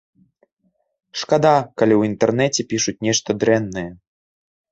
Шкада, калі ў інтэрнэце пішуць нешта дрэннае.